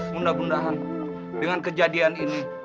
mudah mudahan dengan kejadian ini